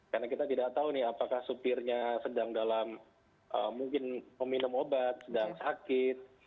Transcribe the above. karena kita tidak tahu nih apakah supirnya sedang dalam mungkin meminum obat sedang sakit